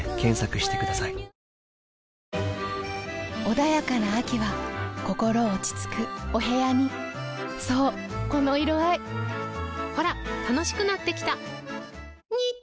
穏やかな秋は心落ち着くお部屋にそうこの色合いほら楽しくなってきた！